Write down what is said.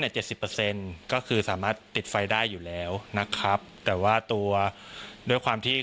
เจ็ดสิบเปอร์เซ็นต์ก็คือสามารถติดไฟได้อยู่แล้วนะครับแต่ว่าตัวด้วยความที่